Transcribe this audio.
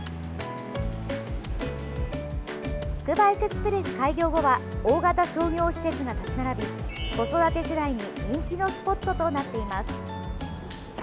つくばエクスプレス開業後は大型商業施設が立ち並び子育て世代に人気のスポットとなっています。